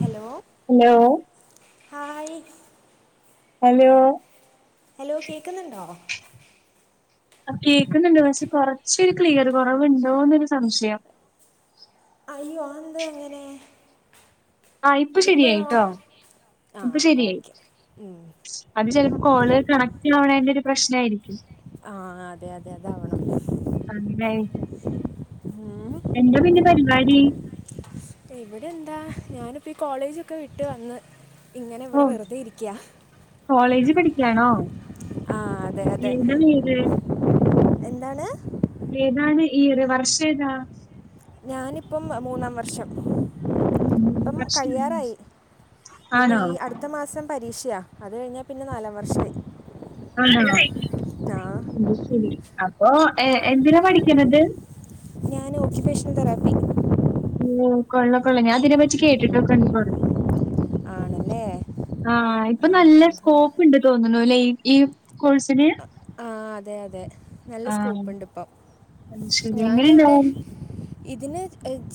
Hello hello hi hello hello കേൾക്ന്നുണ്ടോ. കേക്കുന്നുണ്ട്. പക്ഷെ കൊറച് ക്ലിയർ കുറവുണ്ടോന്നൊരു സംശയം. അയ്യോ ആന്തേ ഇങ്ങനെ? ആ ഇപ്പ ശരിയായിട്ടോ. ഇപ്പൊ ആഹ് ശരിയായി ഓക്കെ അത് ചെലപ്പോ കോള് കണക്ട് ആവണേന്റെരു പ്രശ്നായിരിക്കും. ആഹ അതെ യതെ അതാവണം എന്തേ പിന്നെ പരിപാടി ഇവിടെ എന്താ ഞാനിപ്പ ഈ കോളേജൊക്കെ വിട്ട് വന്ന്. ഇങ്ങനെ ഓ ഇവിടെ വെറുതെ ഇരിക്കുക കോളേജ് പഠിക്കായാണോ? ആ അതെ അതെ എവിടെ വീട് എന്താണ്? ഏതാണ് ഈത് വർഷം ഏതാ? ഞാനിപ്പം മൂന്നാം വർഷം. ഇപ്പം വർഷാണോ കഴിയാറായി ഇനിയിപ്പ ആണോ ഈ അടുത്ത മാസം പരീക്ഷയ അത് കഴിഞ്ഞാ പിന്നെ നാലാം വർഷായി. ആണ ശരി അപ്പൊ എ എന്തിനാ പഠിക്കണത് ഞാനോ ഓക്യുഷണൽ തെറാപ്പി. ഓ കൊള്ള കൊള്ളേ ഞാൻ ഇതിനെ പറ്റി കേട്ടിട്ടൊക്കെ ഉണ്ട് കൊ പിന്നെ ആഹ് ഇപ്പ നല്ല സ്കോപ്പ്ണ്ട് തോന്നുണുല്ലെ ഈ ഈ കോഴ്സിന്? ആ അതെയതെ നല്ല ആഹ് സ്കോപ്പ്ണ്ട് ഇപ്പൊ. അത് ശരി. ഞാന് ഇവിടെ എങ്ങനെണ്ടാവും? ഇതിന്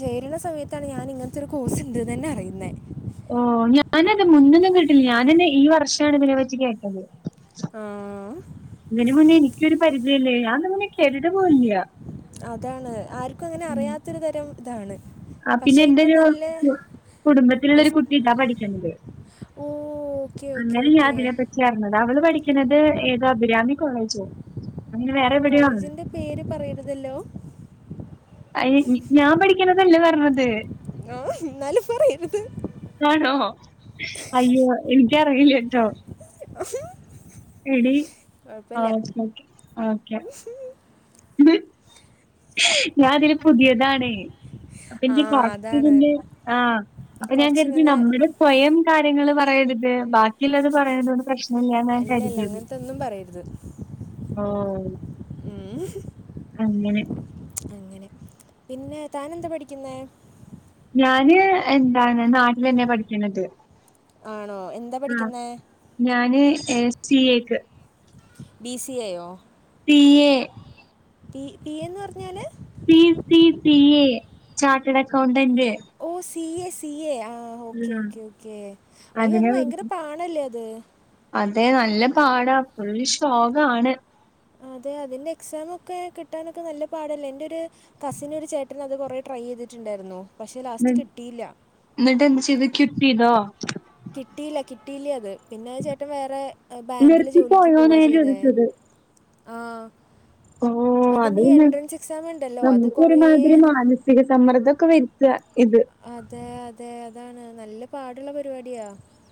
ചേരുന്ന സമയത്താണ് ഞാൻ ഇങ്ങനത്തെ ഒരു കോഴ്സ് ഉണ്ടെന്നന്നെ അറിയുന്നത്. ഓ ഞാനതെ മുന്നൊന്നും കേട്ടില്ല ഞാനന്നെ ഈ വർഷാണ് ഇതിനെ പറ്റി കേട്ടത്. ആഹ് ഇതിന് മുന്നേ എനിക്കൊരു പരിചയല്ലേ ഞാനത് മുന്നെ കേട്ടിട്ട് പോലുല്ലിയാ അതാണ് ആർക്കും അങ്ങനെ അറിയാത്തരു തരംതാണ്. ആ പിന്നെ എന്റെരു കുടുംബത്തിലുള്ളരു കുട്ടി ഇതാ പഠിക്കണത്. ഓഓ അങ്ങനെ ഞാൻ ഇതിനെ പറ്റിയ അറിഞ്ഞത് അവള് പഠിക്കുണത് ഏത് അഭിരാമി കോളേജോ. അങ്ങനെ വേ കോളേജിൻ്റെ പേര് പറയരുതല്ലോ അയിന് ഞാൻ പഠിക്കണതല്ലേ പറഞ്ഞത് ആഹ എന്നാല പറയരുത്. ആണോ അയ്യോ എനിക്കറിയില്ലട്ടോ. എടി കുഴപ്പമില്ല ആഓ ഓെ ഓക്കെ ഞാൻ ഇതില് പുതിയതാണ് ആ പ്പന്റെ അതാണ് ആ അപ്പൊ ഞാൻ കരുതി കുറച്ചിങ്ങനെ നമ്മുടെ സ്വയം കാര്യങ്ങൾ പറയരുത് ബാക്കി കിള്ളത് പറയുന്നത് പ്രശ്നല്ലാന്നാ ഞാൻ ഇല്ല ഇല്ല കരുതിയത് അങ്ങനത്തെ ഒന്നും പറയരുത് ആ ഉം ഹും അങ്ങനെ പിന്നെ താനെന്താ പഠിക്കുന്നേ ഞാന് എന്താണ് നാട്ടിന്നെ പഠിക്കണത്. ആണോ എന്താ ആഹ്. പഠിക്കുന്നെ? ഞാന് ഏ സി റ്റി എക്ക് ബി സി എ യൊ P A P P P ഏന്ന് പറഞ്ഞാല് P P P A chartered accountant ഓ സി എ സി എ ആഹ് ഓക്കെ ഉം. ഓക്കെ അയ്യോ അത് അതിനാ ഭയങ്കര പഠിക്കുന്നെ. പാ ന്നല്ലേ അത് അതെ നല്ല പാടാ ഫുള്ള് ശോകാണ് അതെ അതിന്റെ എക്സമൊക്കെ കിട്ടാനൊക്കെ നല്ല പാടല്ലേ എന്റൊര് കസിന് ഒര് ചേട്ടന് അത് കൊറെ ട്രൈ ചെയ്തിട്ടുണ്ടായിരുന്നു പക്ഷെ ലാസ്റ്റ് കിട്ടിയില്ല എന്നിട്ട് എന്ത് ചെയ്ത് ക്വിപ് ചെയ്തോ കിട്ടില്ല കിട്ടില്ല്യത് പിന്നെ ആഹ് ചേട്ടൻ വേറെ ഏ ബാങ്കില് ജോലിക്ക് നിർത്തിപ്പോയോന്നാ പോവാ ഞാൻ ചെയ്തേ ചോദിച്ചത്. ആഹ് ഓഹ് അത് അതിന്റെ ഇ എൻട്രൻസ് എക്സാം ഉണ്ടല്ലോ അത് കൊറേ തിരുസമ്മർദ്ദക്കെ വരുത്ത ഇത് അതെ അതെ അതാണ് നല്ല പാടുള്ള പരിപാടിയാ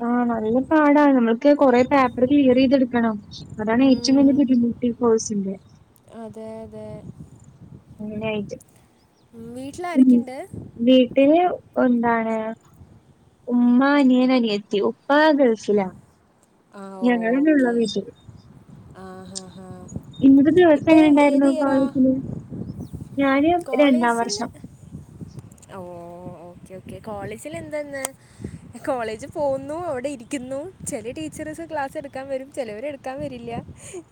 ആഹ് നല്ല പാടാ നമ്മൾക്ക് കൊറെ പേപ്പർ ക്ലിയർ ചെയ്തെടുക്കണം അതാണ് ഏറ്റവും ഉം, വലിയ പിടിമുട്ടി ഈ കോഴ്സിന്റെ അതെ അതെ അങ്ങനെ ആയിട്ട് ഉം വീട്ടിലാരൊക്കെ ഇണ്ട് വീട്ടില് എന്താണ് ഉമ്മ അനിയൻ അനിയ ഉപ്പാ ഗൾഫിലാ ഞങ്ങള് തന്നെ ഉള്ളു ആ വീട്ടിൽ ആഹ് ആഹ് ഇന്നത്തെ ദിവസം എങ്ങനെണ്ടായിരുന്നു ഇയറാ കോളേജില് ഞാന് രണ്ടാം വർഷം ഓഹ് ഓക്കെ ഓക്കെ കോളേജിൽ എന്താ ഇന്ന് കോളേജി പോകുന്നു അവടെരിക്കുന്നു ചെല ടീച്ചേറ്സ് ക്ലാസെടുക്കാൻ വരും ചെലവര് എടു ക്കം വരില്ല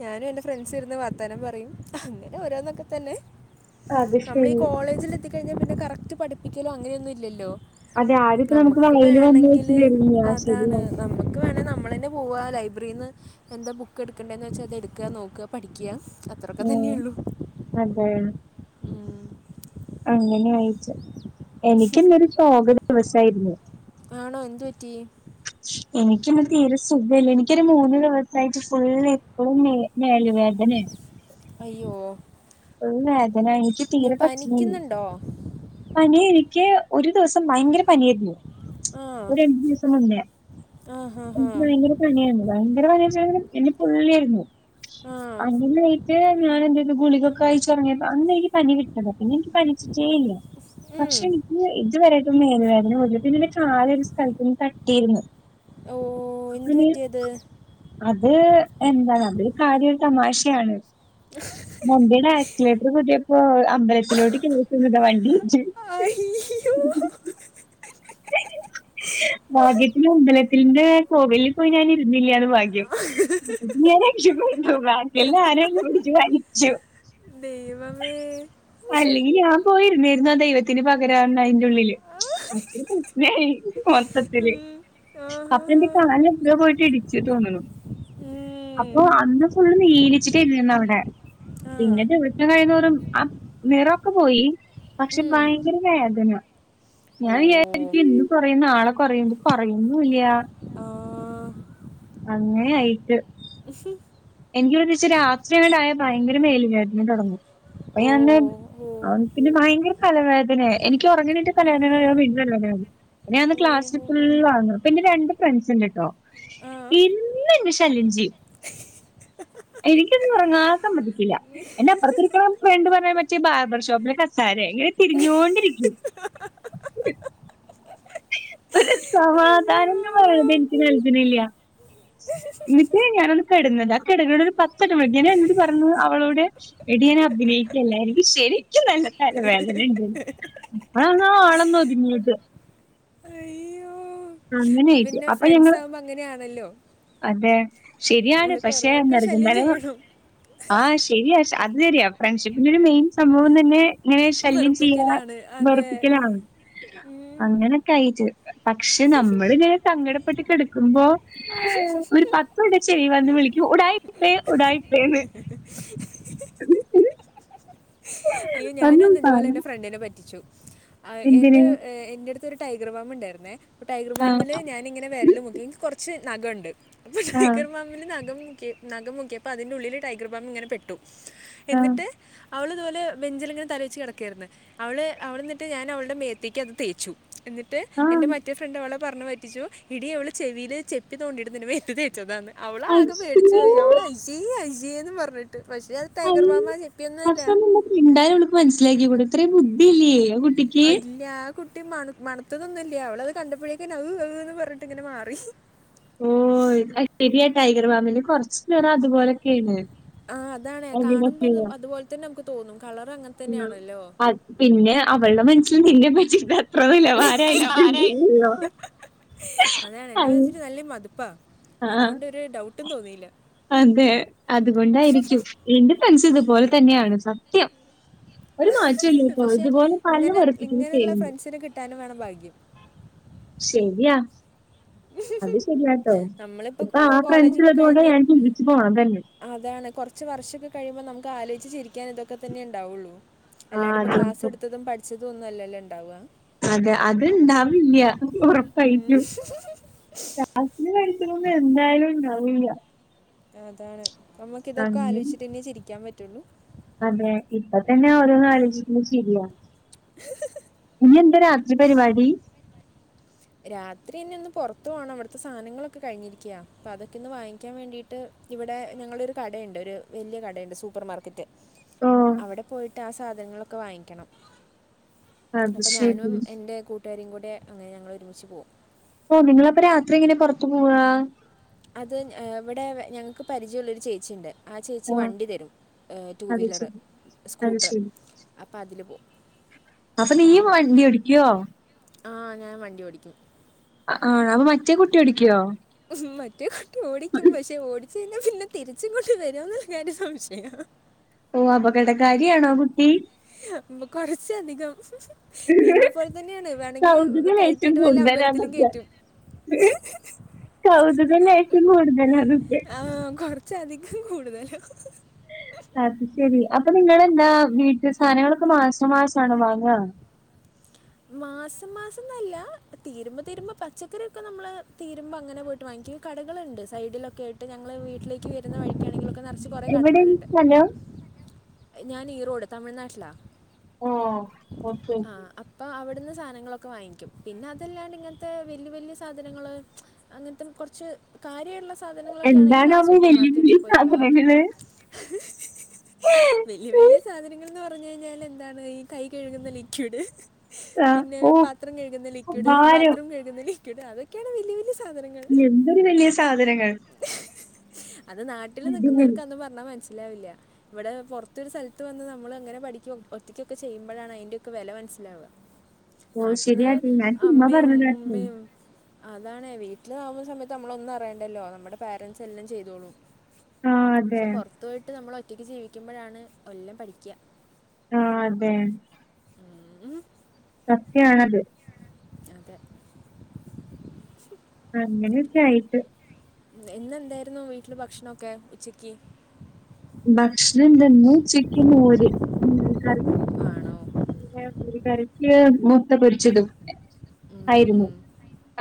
ഞാനും എൻ്റെ ഫ്രെണ്ട്സും ഇരുന്ന് വർത്താനം പറയും അങ്ങനെ ഓരോന്നൊക്കെ തന്നെ അത് നമ്മള് ഈ ശരി. കോളേജില് എത്തിക്കഴിഞ്ഞാ പിന്നെ കറക്റ്റ് പഠിപ്പിക്കല്ലോ അങ്ങനെയൊന്നും ഇല്ലല്ലോ അതെ ആദ്യത്തെ നമുക്ക് നമ്മക്ക് വായില് വന്ന് വെച്ച് വേണെങ്കില് തരില്ലേ ആ അതാണ് ശരിയാണ്. നമ്മുക്ക് വേണേ നമ്മള് തന്നെ പോവ ലൈബ്രറിന്ന് എന്താ ബുക്ക് എടുക്കേണ്ടെന്ന് വെച്ചാ അതെടുക്കുക നോക്കുക പഠിക്കുക അത്രൊക്കെ ഉം തന്നെയുള്ളു അതെ ഹ്മ്മ് അങ്ങനെ ആയിട്ട് എനിക്കിന്നൊരു ശോക ദിവസായിരുന്നു ആണോ എന്ത് പറ്റി എനിക്കന്ന് തീരെ സുഖല്ല എനിക്കൊരു മൂന്ന് ദിവസായിട്ട് ഫുള്ള് ഇപ്പളും മേ മേല് വേദനെ അയ്യോ ഒരു വേദന എനിക്ക് ഇങ്ങനെ തീരെ പറ്റണില്ല പനിക്കുന്നുണ്ടോ പനി എനിക്ക് ഒര് ദിവസം ഭയങ്കര പനിയായിരുന്നു ആ ഒര് രണ്ട് ദിവസം മുന്നേ, ആ ഹാ ഹാ എനിക്ക് ഭയങ്കര പനിയായിരുന്നു ഭയങ്കര പനിന്ന് വച്ച എന്നെ പൊള്ളിരുന്നു ആ അങ്ങനെ എന്നിട്ട് ഞാനന്തെയ്തു ഗുളികയൊക്കെ കഴിച്ചൊറങ്ങിയപ്പോ അന്നെനിക്ക് പനി വിട്ടതാ പിന്നെ എനിക്ക് പനിച്ചിട്ടേ ഇല്ല ഉം. പക്ഷെ എനിക്ക് ഇതുവരെയായിട്ടും മേലുവേദന പോയിട്ടില്ല പിന്നെ [unintelligible] കാലൊരു സ്ഥലത്തില് തട്ടിയിരുന്നു ഓഹ് അപ്പനി എന്തുപറ്റി അത് അത് എന്താ അതൊരു കാര്യം തമാശയാണ് മുമ്പിലായി അക്സിലേറ്റർ കൂട്ടിയപ്പോ അമ്പലത്തിലോട്ട് [unintelligible] വണ്ടി [unintelligible] അയ്യോ അ ഭാഗ്യത്തിന് അമ്പലത്തിന്റെ കോവലിൽ പോയി ഞാൻ ഇരുന്നില്ലന്ന് ഭാഗ്യം അപ്പത്തിനും ഞാൻ രക്ഷപ്പെട്ടു ബാക്കില്ന്ന് ആരോ ഇന്നെ പിടിച്ചു വലിച്ചു ദൈവമേ അല്ലെങ്കിൽ ഞാൻ പോയിരുന്നേര്ന്നു ആ ദൈവത്തിന് പകരാ അയിന്റെള്ളില് [unintelligible] പ്രശ്നായി മൊത്തത്തില് ഉം. അപ്പ എന്റെ ആഹാ. കാല് എവ്ടോ പോയിട്ട് ഇടിച്ച്ച് തോന്നുന്നു അപ്പൊ അന്ന് ഫുള്ള് നീലിച്ചിട്ട ഇന്ന് അവിടെ പിന്നെ വിവിളിച്ചം കഴിയുന്നോറും ആ നിറൊക്കെ പോയി പക്ഷെ ഭയങ്കര വേദന ഞാൻ വിചാരിക്കും ഇന്ന് കൊറയുന്നു നാളെ കൊറയണ്ട് കുറയന്നല്ല അങ്ങനെ ആയിട്ട് എനിക്ക്വി ഒരിച്ചിരാത്രില്ലായപ്പോ ഭയങ്കര മേലു വേന തൊടങ്ങും. [unintelligible] അ പിന്നെ ഭയങ്കര തലവേദനയ എനിക്ക് ഉറങ്ങിണീറ്റാ തലവേദനയ പിന്നെ ഉള്ളതായ് ന്ന് ഞാൻന്ന് ക്ലാസ്സിൽ ഫുള്ള് ആണ് അപ്പൊ എന്റെ രണ്ട് ഫ്രണ്ട്സ് ഉണ്ട് കേട്ടോ എന്നും എന്നെ ശല്യം ചെയ്യും എനിക്കൊന്ന് ഉറങ്ങാൻ സമ്മതിക്കില്ല എന്റെ അപ്പുറത്തിരിക്കണ ഫ്രണ്ട് പറഞ്ഞ മറ്റേ ബാർബർ ഷോപ്പിലെ കസാരെ ഇങ്ങനെ തിരിഞ്ഞോണ്ടിരിക്കും തിരിഞ്ഞുകൊണ്ടിരിക്കൂ ഒരു സമാധാനം അയ്യോ എന്ന് പറയിന്ന എനിക്ക് നൽകുന്നില്ല എന്നിട്ട് ഞാനൊന്ന് കെട്ന്നതാ അപ്പെടേക്കൂടെ ഒരു പത്തെട്ട [unintelligible] ഞാൻ ന്നിട്ട് പറഞ്ഞു അവളോടെ എടിയൻ അഭിനയിക്കല്ല എനിക്ക് ശരിക്കും നല്ല തലവേദന ഉണ്ടല്ല അപ്പളൊഒന്ന് ആ ആളൊന്ന് ഒതുങ്ങിയത് അയ്യോ അങ്ങനെ ഇത് യിട്ട് പിന്നെ അപ്പൊ ഫ്രണ്ട്സ് ഞങ്ങൾ ആകുമ്പോൾ അങ്ങനെയാണല്ലോ അതെ ശരിയാണ് നമ്മൾ പക്ഷേ കുറേയൊക്കെ എന്നറക്കും ശല്യം തലേന്ന് ചെയ്യണം ആഹ് ശരിയാ അതെരിയാ ഫ്രണ്ട്ഷിപ്പിന്റെ ഒരു മെയിൻ സംഭവം തന്നെ ഇങ്ങനെ ശല്യം ചെയ്യാ വെറുപ്പിക്കലാണ് അതെ വെറുപ്പിക്കലാണ് അങ്ങനെ ക്കഴിച് പക്ഷെ നമ്മൾ ഇങ്ങനെ സങ്കടപ്പെട്ട് കെട്ക്കുമ്പോ ഒരു ഉം. പത്ത് വട്ടം ചെവി വന്ന് വിളിക്കും ഉടായിപ്പേ ഉടായിപ്പേന്ന് ! ! ! ! ! ! അയ്യോ ഒന്നും ഞാനുന്ന് പ ത്പോലെ എൻ്റെ ഫ്രണ്ടിനെ പറ്റിച്ചു എന്റെ എന്തിന്? എൻ്റെടുത്ത് ത്തൊരു ടൈഗർ ബാം ഉണ്ടായിരുന്നേ അപ്പോ ടൈഗർ ആ ബാമില് ഞാനിങ്ങനെ വെര്ല് മുക്കി എനിക്ക് കുറച്ച് നഖണ്ട് ആ ടൈഗർ ബാമില് നഖം മുക്ക്യേപ്പോ നഖം മുക്ക്യേപ്പ അതിന്റെ ഉള്ളില് ടൈഗർ ബാം ഇങ്ങനെ പെട്ടു ആ എന്നിട്ട് അവളിതുപോലെ വെഞ്ചിലിങ്ങനെ തല വെച്ച് കെടക്കെയ്ര്ന്ന് അവള് അവളെന്നിട്ട് ഞാൻ അവൾടെ മേത്തേക്ക് അത് തേച്ചു എന്നിട്ട് എന്റെ ആഹ് മറ്റേ ഫ്രണ്ടോളും പറഞ്ഞഞ് പറ്റിച്ചു ഇടി അവള് ചെവിയില് ചെവിക്ക് തോണ്ടി എടുത്ത് എന്റെ മേത്ത് തേച്ചതാന്ന് അവളാകെ പക്ഷേ പേടിച്ചു വോയി അവള [unintelligible] അജീന്ന് പറഞ്ഞിട്ട് പക്ഷെ അത് ടൈഗർ ബാമാ ജെപ്പിയൊന്നുംല്ല ന്തായാലും അവൾക്ക് മനസ്സിലാക്കിക്കൂടെ ഇത്രേ ബുദ്ധിയില്ലേ കുട്ടിക്ക് അ ഇല്ല ആ കുട്ടി മൺ മണ്ത്തതൊന്നുംല്ല അവളത് കണ്ടപ്പോയേക്കെന്നെ അഹ് അഹ് ന്നും പറഞ്ഞിട്ട് ഇങ്ങനെ മാറി ഓ ശെരിയ ടൈഗർ ഫാമില് കൊറച്ചു നേരം അതുപോലെയൊക്കെയാണ് ആ അതാണേ കാണുമ്പോ അതുപോലെ തന്നെ നമുക്ക് തോന്നും കളർ അങ്ങന ഉം അ പിന്നെ അവൾടെ മനസ്സിൽ നിന്നെ പറ്റി പ്പൊ എത്ര അയ്യോ, നിലവാരയിരിക്കും ആരായി [unintelligible] ആ അതാണ് എന്നെ വച്ചിട്ട നല്ല മതിപ്പാ ആഹ് അതോണ്ട് ഒരു ഡൗട്ടും തോന്നിയില്ല അതെ അതുകൊണ്ടായിരിക്കും എന്റെ ഫ്രണ്ട്സ് ഇതുപോലെ തന്നെയാണ് സത്യം ഒരു മാറ്റൊല്ല ഇപ്പ പക്ഷെ ഇതുപോലെ പറഞ്ഞു ഇങ്ങനെ വെറുപ്പിക്കും ഇങ്ങനെയുള്ള ചെയ്യണ്ട് ഫ്രണ്ട്സിനെ കിട്ടാനും വേണം ഭാഗ്യം ശരിയാ അത് ശരിയാട്ടോ ഇപ്പൊ ആ നമ്മളിപ്പോൾ കോളേജൊക്കെ ഫ്രണ്ട്സിലതുകോടെ കഴിഞ്ഞ് ഞാൻ ചിരിച്ചു പോണം തന്നെ അതാണ്. കുറച്ച് വർഷമൊക്കെ കഴിയുമ്പോൾ നമുക്ക് ആലോയിച്ച് ചിരിക്കാൻ ഇതൊക്കെ തന്നെ ഉണ്ടാവൊള്ളൂ. അല്ലാണ്ട് ആഹ് പ്പൊ അതെ ക്ലാസ് എട്ത്തതും പട്‌ച്ചതും ഒന്നും അല്ലല്ലോ ണ്ടാവ അതെ അത്ണ്ടാവില്ല്യ ഉറപ്പയിട്ടും. അത്ന് കഴിക്കണന്ന്എന്തായാലും ണ്ടാവില്ല്യ അതാണ് നമുക്ക് തൊക്കെ അന്ന് ആലോയ്ച്ച്ട്ട് നി ചിരിക്കാൻ പറ്റുള്ളൂ അതെ ഇപ്പ തെന്നെ ഓരോന്നാലോയ്ചിട്ട് ചിരിയാ ഇന്യേന്താ രാത്രി പരിപാടി രാത്രി നിഒന്ന് പൊറത്ത് പോണം വിട്‌ത്തെ സാനങ്ങളൊക്കെ കഴിഞ്ഞിരിക്ക്യ പ്പ അതൊക്കൊന്ന് വാങ്ങിക്കാൻ വേണ്ടിയിട്ട് ഇവിടെ ഞങ്ങളൊരു കടയിണ്ട് ഒരു വല്യ കടയിണ്ട് സൂപ്പർ മാർക്കറ്റ്. ഓ അവിടെ പോയിട്ടാ സാധനങ്ങളൊക്കെ വാങ്ങിക്കണം. അത് അപ്പൊ ശരി ഞാനും എന്റെ കൂട്ടുകാരിം കൂടെ അങ്ങനെ ഞങ്ങള് ഒരുമിച്ച് പോവും. ഓ നിങ്ങളപ്പോ രാത്രി എങ്ങനെ പൊറത്ത് പോവാ? അത് ഇവിടെ ഞങ്ങക്ക് പരിചയുള്ളൊരു ചേച്ചിണ്ട്. ആ ചേച്ചി ഓ വണ്ടി തെരും ടു അത് വീലറ് ശരി അത് സ്കൂട്ടർ ശരി അപ്പ അതില് പോവും. അപ്പൊ നീയും വണ്ഡ്യോടിക്കൊ ആഹ് ഞാൻ വണ്ടി ഓടിക്കും. അ ആ അപ്പൊ മറ്റേ കുട്ടി ഓടിക്ക്യോ? മറ്റേ കുട്ടി ഓടിക്കും പഷെ ഓടിച്ച് ഴിഞ്ഞാ പിന്നെ തിരിച്ച്ങ്ങോട്ട് വരോന്ന്ള്ള കാര്യം സംശയ ഓ അബകടകാരിയാണോ ആ കുട്ടി. കൊറച്ചധികം നിന്നെ പോൽ തെന്നെയാണ് കൗതുക വേണെങ്കിൽ കൈ ലേശം തീട്ട് വല്ല അമ്പലത്തിലും കൂടുതലാന്നൊക്കെ കേറ്റും കൗതുകം ലേശം കൂടുതലാണ് ച്ചധികം കൂടുതല. അത് ശെരി അപ്പൊ നിങ്ങെന്താ വീട്ട് സാനങ്ങളൊക്കെ മാസം മാസാണോ വാങ്ങ മാസം മാസം ന്നല്ല തീരുമ്പോ തീരുമ്പോ പച്ചകറി ഒക്കെ നമ്മള് തീരുമ്പങ്ങനെ പോയിട്ട് വാങ്ങിക്കും. കടകള്ണ്ട് സൈഡിലൊക്കെയിട്ട് ഞങ്ങളെ വീട്ടിലേക്ക് വരുന്ന വഴിക്കാണെങ്കിലൊക്കെ നെറച്ച് കൊറെ എവിടെയാണ് കടകളിണ്ട്. സ്ഥലം? ഞാൻ ഈറോഡ് തമിഴ്നാട്ടിലാ ഓഹ്. ഓക്കെ. ആഹ് അപ്പ് പ്പൊ അവിട്‌ന്ന് സാനങ്ങളൊക്കെ വാങ്ങിക്കും പിന്നെ അതല്ലാണ്ട് ങ്ങനത്തെ വല്യ വല്യ സാധനങ്ങള് അങ്ങൻതെ കൊർച്ച് കാര്യള്ള എന്താണാവോ വെലിഞ്ഞ് സാധനങ്ങള്. വെല്ല്യ വെല്ല്യ സാധനങ്ങൾന്ന് പർ ർഞ് ഴിഞ്ഞാൽ എന്താണ് ഈ കൈ കഴുകുന്ന ലിക്വിഡ് ആഹ്. പിന്നെ ഓഹ് പാത്രം കഴുകുന്ന ലിക്വിഡ് ഭാരം. ബാത്റൂം കഴുകുന്ന ലിക്വിഡ് അതൊക്യാണ് വല്യ വല്യ എന്തൊരു വല്യ സാധനങ്ങൾ അത് നാട്ടില് അടിപൊളി. നിക്കുന്നവർക്ക് അന്നും പർഞ്ഞാ മനസ്സിലാവില്ല്യ വെടെ പൊർതൊരു സെൽത്ത് വന്ന് നമ്മളങ്ങനെ പഠിക്യും ഒറ്റകൊക്കെ ചെയ്യുമ്പഴാണ് അയ്ന്റൊക്കെ വെല മൻസിലാവ ഓഹ് നാട്ടന്ന് ശരിയാട്ടോ. ഞാൻ ചുമ്മാ അമമീം പറഞ്ഞതാട്ടോ. ഉമമീം അതാണ് വീട്ടിലാവുന്ന സമയത്ത് നമ്മളൊന്നും അറയേണ്ടല്ലോ നമ്മുടെ പേരൻറ്സ് എല്ലം ചെയ്തോളും ആഹ് അതെ. പൊർത്തോയ്ട്ട് നമ്മളൊറ്റക്ക് ജീവിക്കുമ്പോഴാണ് എല്ലം പഠിക്ക്യ ആഹ് അതെ ഉം സത്യാണത്. അതെ. അങ്ങനെ ഒക്കെ ആയിട്ട്. ഇന്നെന്തായിരുന്നു വീട്ടില് ഭക്ഷണൊക്കെ ഉച്ചക്കി ഭക്ഷ്ണ എന്തെന്ന് ഉച്ചക്ക് മോര് മോര് കറി ആണോ കറിക്ക് മുത്ത പൊരിച്ചതും ഉം യിരുന്നു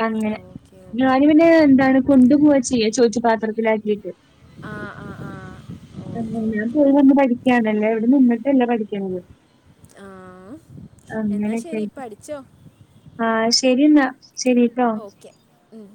അങ്ങനെ ഓക്കെ ഞാ ഓക്കെ ന് പിന്നെ എന്താണ് കൊണ്ടു ഉം. പോവാ ചെയ്യ ചോറ്റു പാത്രത്തിലാക്കിട്ട്. ആ ആ ആ ആഹ് ഓക്കെ ഞാൻ ഓക്കെ പോയിവന്ന് [unintelligible] ഇവിടെ നിന്നിട്ടെല്ലാ പഠിക്കെണത് ആ എന്നാൽ അങ്ങനെക്കെ ശരി പഠിച്ചോ ആഹ് ശരി എന്നാ ശരി ട്ടോ. ഓക്കെ ഉം